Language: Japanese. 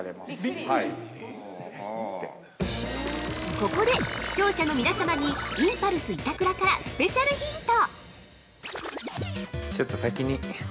◆ここで視聴者の皆様に、インパルス板倉からスペシャルヒント。